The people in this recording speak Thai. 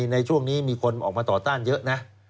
ในช่วงนี้มีคนออกมาต่อต้านเยอะนะ